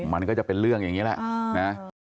มันก็จะเป็นเรื่องอย่างนี้แหละนะ